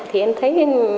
thì em thấy